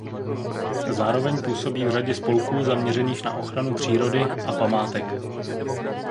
Zároveň působí v řadě spolků zaměřených na ochranu přírody a památek.